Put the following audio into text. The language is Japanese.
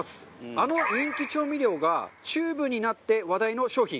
あの人気調味料がチューブになって話題の商品。